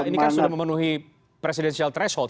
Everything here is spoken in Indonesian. ini kan sudah memenuhi threshold presidenial